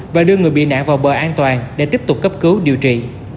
và đưa người bị nạn vào bờ an toàn để tiếp tục cấp cứu điều trị